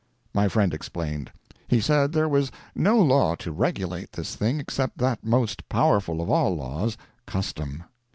My friend explained. He said there was no law to regulate this thing, except that most powerful of all laws, custom.